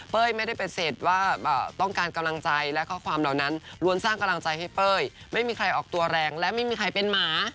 ไม่ได้ปฏิเสธว่าต้องการกำลังใจและข้อความเหล่านั้นล้วนสร้างกำลังใจให้เป้ยไม่มีใครออกตัวแรงและไม่มีใครเป็นหมา